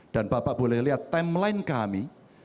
dan bapak boleh lihat timeline kami